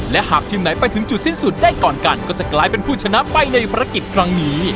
และหากทีมไหนไปถึงจุดสิ้นสุดได้ก่อนกันก็จะกลายเป็นผู้ชนะไปในภารกิจครั้งนี้